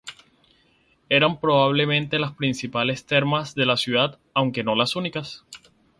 Eran probablemente las principales termas de la ciudad aunque no las únicas.